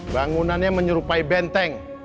bangunannya menyerupai benteng